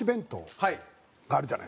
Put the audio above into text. はい。